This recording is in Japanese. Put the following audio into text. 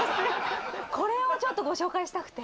これをちょっとご紹介したくて。